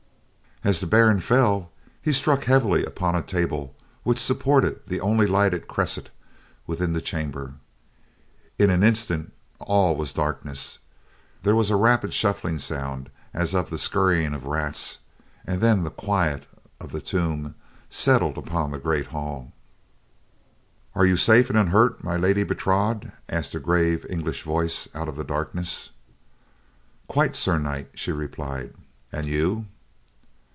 As the Baron fell, he struck heavily upon a table which supported the only lighted cresset within the chamber. In an instant, all was darkness. There was a rapid shuffling sound as of the scurrying of rats and then the quiet of the tomb settled upon the great hall. "Are you safe and unhurt, my Lady Bertrade?" asked a grave English voice out of the darkness. "Quite, Sir Knight," she replied, "and you?"